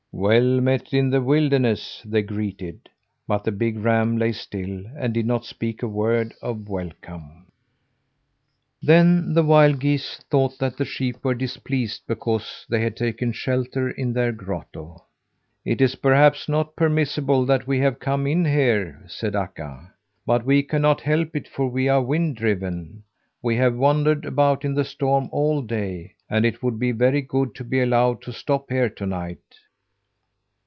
"Well met in the wilderness!" they greeted, but the big ram lay still, and did not speak a word of welcome. Then the wild geese thought that the sheep were displeased because they had taken shelter in their grotto. "It is perhaps not permissible that we have come in here?" said Akka. "But we cannot help it, for we are wind driven. We have wandered about in the storm all day, and it would be very good to be allowed to stop here to night."